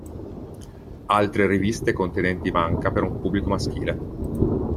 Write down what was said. Altre riviste contenenti manga per un pubblico maschile.